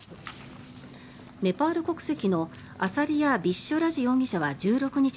ネパール国籍のアサリヤ・ビッショ・ラジ容疑者は１６日